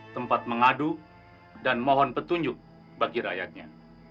tempat mengadu dan mohon petunjuk bagi rakyatnya